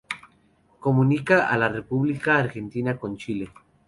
Comunica a la República Argentina con Chile.